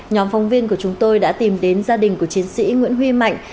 nhóm phóng viên của chúng tôi đã tìm đến gia đình của chiến sĩ nguyễn huy mạnh